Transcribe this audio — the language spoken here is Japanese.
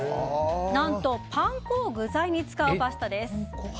何と、パン粉を具材に使うパスタです。